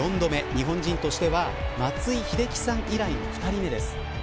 日本人としては松井秀喜さん以来２人目です。